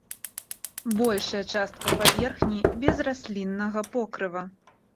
Большая частка паверхні без расліннага покрыва.